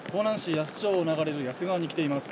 夜須町を流れる夜須川に来ています。